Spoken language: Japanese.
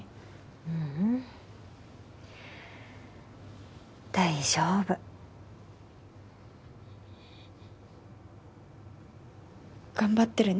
ううん大丈夫。頑張ってるね。